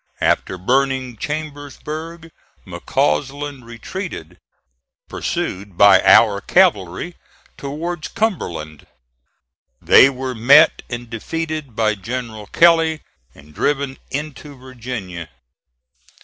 After burning Chambersburg McCausland retreated, pursued by our cavalry, towards Cumberland. They were met and defeated by General Kelley and driven into Virginia.